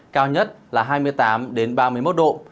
cao nhất là hai mươi tám ba mươi một độ